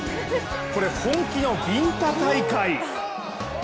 これ、本気のビンタ大会。